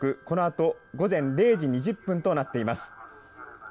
このあと午前０時２０分となっています。